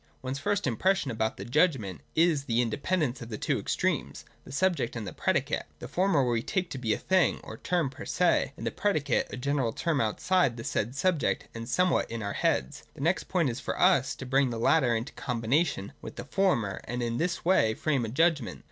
One's first impression about the Judgment is the in dependence of the two extremes, the subject and the predicate. The former we take to be a thing or term per se, and the predicate a general term outside the said subject and somewhere in our heads. The next point is for us to bring the latter into combination with the former, and in this way frame a Judgment.